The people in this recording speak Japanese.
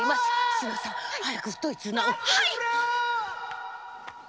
志野さん早く太い綱を。